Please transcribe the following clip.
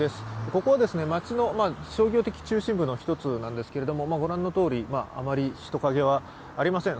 ここは街の商業的中心部の一つなんですが御覧のとおりあまり人影はありません。